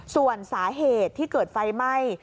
ส่วนสาเหตุที่เกิดไฟไหม้